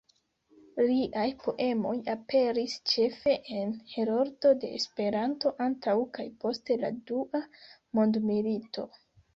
Liaj poemoj aperis ĉefe en Heroldo de Esperanto antaŭ kaj post la Dua Mondmilito.